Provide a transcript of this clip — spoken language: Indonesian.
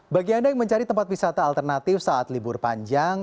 bagi anda yang mencari tempat wisata alternatif saat libur panjang